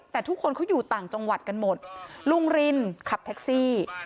แต่ทุกคนเขาอยู่ต่างจังหวัดกันหมดลุงรินขับแท็กซี่